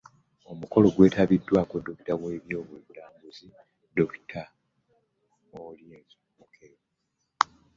Omukolo gwetabiddwako ne ddayirekita w'ebyobulamu mu KCCA Dokita Okello Ayen